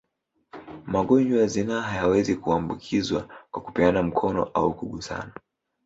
Magonjwa ya zinaa hayawezi kuambukizwa kwa kupeana mikono au kugusana